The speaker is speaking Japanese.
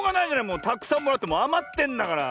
もうたくさんもらってあまってんだから。